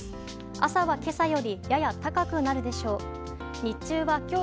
朝は、今朝よりやや高くなるでしょう。